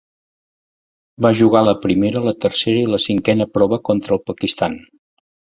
Va jugar la Primera, la Tercera i la Cinquena Prova contra el Pakistan.